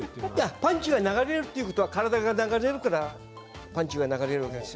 パンチが流れるということは体が流れるからパンチが流れるんです。